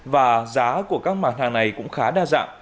và giá của các mặt hàng này cũng khá đa dạng